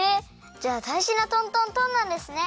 じゃあだいじなトントントンなんですね！